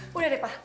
sudah deh pak